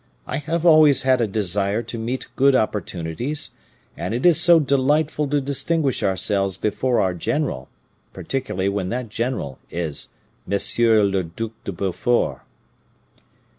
I have always had a desire to meet good opportunities; and it is so delightful to distinguish ourselves before our general, particularly when that general is M. le Duc de Beaufort.